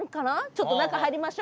ちょっと中入りましょ。